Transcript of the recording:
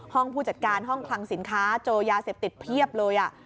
ผู้จัดการห้องคลังสินค้าเจอยาเสพติดเพียบเลย